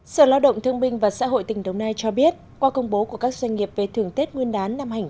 sở lao động thương minh và xã hội tỉnh đồng nai cho biết qua công bố của các doanh nghiệp về thường tết nguyên đán năm hai nghìn hai mươi